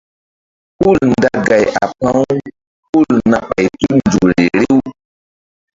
Hul nda gay a pa̧ u hul na ɓay tul nzukri riw.